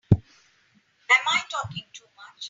Am I talking too much?